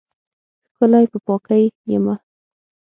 ښکلی په پاکۍ یمه